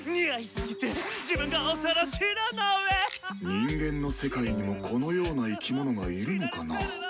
人間の世界にもこのような生き物がいるのかな。